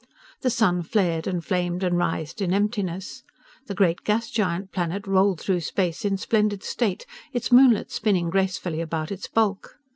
The sun flared and flamed and writhed in emptiness. The great gas giant planet rolled through space in splendid state, its moonlets spinning gracefully about its bulk.